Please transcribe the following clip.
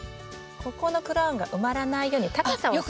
ここのクラウンが埋まらないように高さをそろえる。